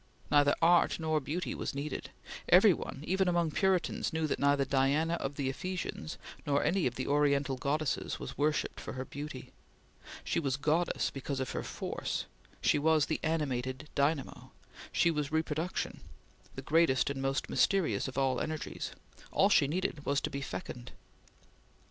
Neither art nor beauty was needed. Every one, even among Puritans, knew that neither Diana of the Ephesians nor any of the Oriental goddesses was worshipped for her beauty. She was goddess because of her force; she was the animated dynamo; she was reproduction the greatest and most mysterious of all energies; all she needed was to be fecund.